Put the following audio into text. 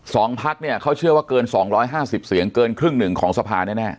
สองพัฒน์เนี่ยเขาเชื่อว่าเกิน๒๕๐เสียงเกินครึ่งหนึ่งของสภานแน่